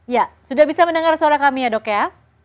ya sudah bisa mendengar suara kami ya dok ya